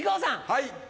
はい。